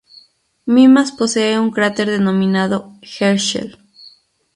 Mimas posee un cráter denominado Herschel.